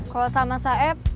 kalau sama saeb